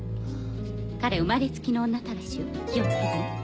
彼生まれつきの女たらしよ気を付けてね。